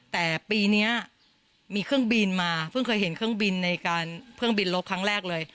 แต่ปีนี้มีเครื่องบินมาเพิ่งเคยเห็นเครื่องบินในการเครื่องบินลบครั้งแรกเลย